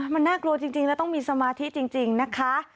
มันน่ากลัวจริงแล้วต้องมีสมาธิจริงนะคะ